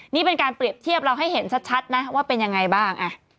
นี่เป็นการเปรียบเทียบเราให้เห็นชัดนะว่าเป็นยังไงบ้าง